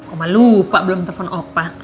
oma lupa belum terpon opa